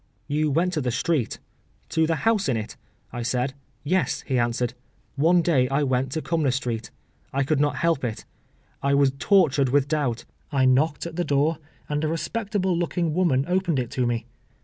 ’ ‘You went to the street, to the house in it?’ I said. ‘Yes,’ he answered. ‘One day I went to Cumnor Street. I could not help it; I was tortured with doubt. I knocked at the door, and a respectable looking woman opened it to me.